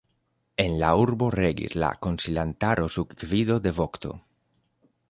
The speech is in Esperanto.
En la urbo regis la konsilantaro sub gvido de vokto.